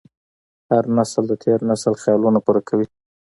هر نسل د تېر نسل خیالونه پوره کوي.